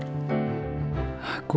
pilih yang ini